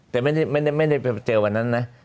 แต่ไม่ได้เจอแบบนั้นนะ